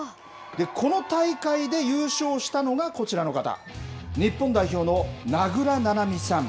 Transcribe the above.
この大会で優勝したのがこちらの方、日本代表の名倉七海さん